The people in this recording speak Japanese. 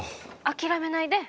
☎諦めないで。